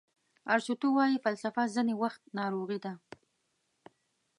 ارسطو وایي فلسفه ځینې وخت ناروغي ده.